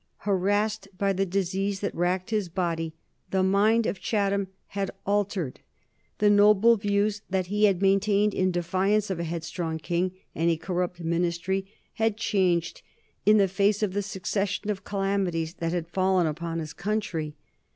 Harassed by the disease that racked his body, the mind of Chatham had altered. The noble views that he had maintained in defiance of a headstrong king and a corrupt ministry had changed in the face of the succession of calamities that had fallen upon his country.